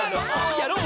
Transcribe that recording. やろう！